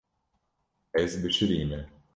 Ez bişirîme.